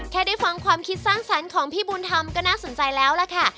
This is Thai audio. ได้ฟังความคิดสร้างสรรค์ของพี่บุญธรรมก็น่าสนใจแล้วล่ะค่ะ